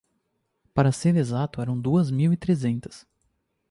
Para ser exato eram duas mil e trezentas.